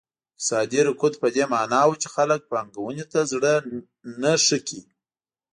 اقتصادي رکود په دې معنا و چې خلک پانګونې ته زړه نه ښه کړي.